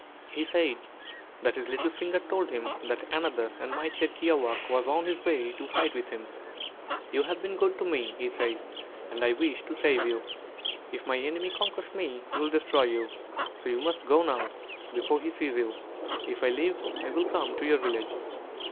He said that his little finger told him that another and mightier kiawākq' was on his way to fight with him. "You have been good to me," he said, "and I wish to save you. If my enemy conquers me, he will destroy you; so you must go now, before he sees you. If I live, I will come to your village."